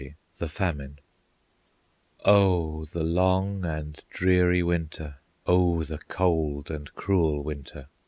XX The Famine Oh the long and dreary Winter! Oh the cold and cruel Winter!